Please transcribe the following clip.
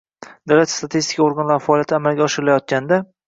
davlat statistika organlari faoliyati amalga oshirilayotganda